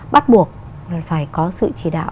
bắt buộc phải có sự chỉ đạo